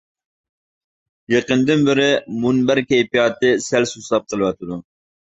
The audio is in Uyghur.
يېقىندىن بىرى مۇنبەر كەيپىياتى سەل سۇسلاپ قېلىۋاتىدۇ.